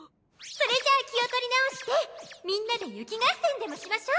それじゃあ気を取り直してみんなで雪合戦でもしましょ。